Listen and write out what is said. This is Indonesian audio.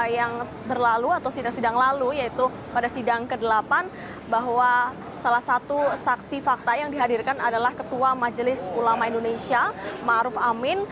yang berlalu atau sidang sidang lalu yaitu pada sidang ke delapan bahwa salah satu saksi fakta yang dihadirkan adalah ketua majelis ulama indonesia ⁇ maruf ⁇ amin